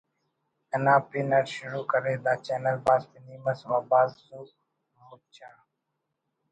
انا پن اٹ شروع کرے دا چینل بھاز پنی مس و بھاز زُو مچ آ